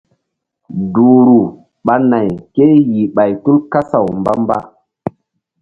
Duhru ɓa nay kéyih ɓay tul kasaw mba-mba.